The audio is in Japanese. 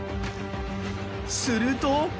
すると。